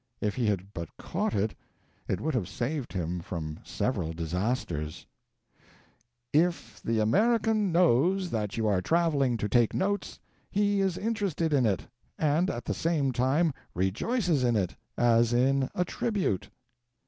If he had but caught it, it would have saved him from several disasters: "If the American knows that you are traveling to take notes, he is interested in it, and at the same time rejoices in it, as in a tribute."